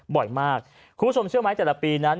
บ่อยมากคุณผู้ชมเชื่อไหมแต่ละปีนั้น